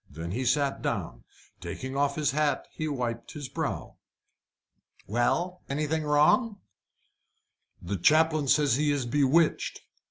Then he sat down. Taking off his hat, he wiped his brow. "Well? Anything wrong?" "The chaplain says he is bewitched."